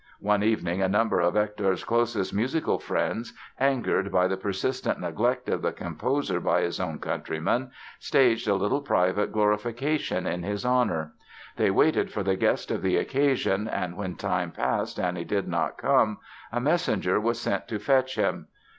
One evening a number of Hector's closest musical friends, angered by the persistent neglect of the composer by his own countrymen, staged a little private glorification in his honor. They waited for the guest of the occasion and when time passed and he did not come a messenger was sent to fetch him.